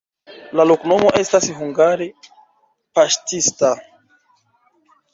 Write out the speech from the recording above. La loknomo estas hungare: paŝtista.